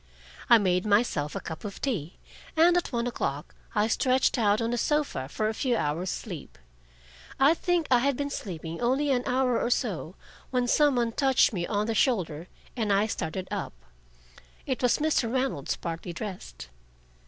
I made myself a cup of tea, and at one o'clock I stretched out on a sofa for a few hours' sleep. I think I had been sleeping only an hour or so, when some one touched me on the shoulder and I started up. It was Mr. Reynolds, partly dressed.